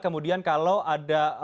kemudian kalau ada